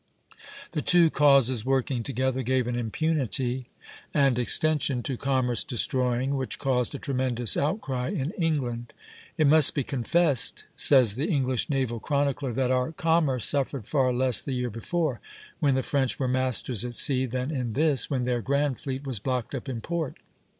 The two causes working together gave an impunity and extension to commerce destroying which caused a tremendous outcry in England. "It must be confessed," says the English naval chronicler, "that our commerce suffered far less the year before, when the French were masters at sea, than in this, when their grand fleet was blocked up in port."